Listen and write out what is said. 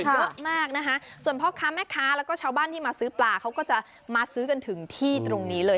เยอะมากนะคะส่วนพ่อค้าแม่ค้าแล้วก็ชาวบ้านที่มาซื้อปลาเขาก็จะมาซื้อกันถึงที่ตรงนี้เลย